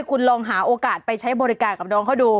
คุณลองหาโอกาสไปใช้บริการกับน้องเขาดู